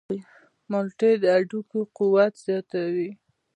مالټې د هډوکو قوت زیاتوي.